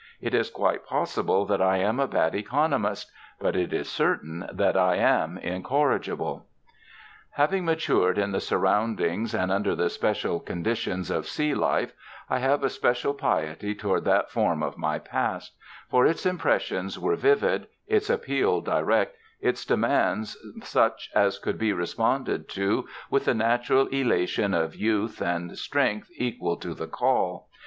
It is quite possible that I am a bad economist; but it is certain that I am incorrigible. Having matured in the surroundings and under the special conditions of sea life, I have a special piety toward that form of my past; for its impressions were vivid, its appeal direct, its demands such as could be responded to with the natural elation of youth and strength equal to the call.